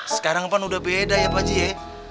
sekarang kan udah beda ya pak haji ya